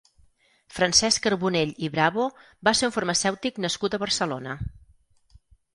Francesc Carbonell i Bravo va ser un farmacèutic nascut a Barcelona.